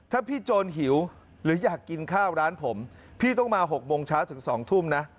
ถ้าพี่โจรหิวหรืออยากกินข้าวร้านผมพี่ต้องมา๖โมงเช้าถึง๒ทุ่มนะ